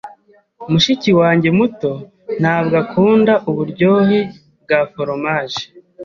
Mushiki wanjye muto ntabwo akunda uburyohe bwa foromaje.